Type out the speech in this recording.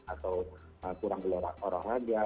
atau kurang keluarga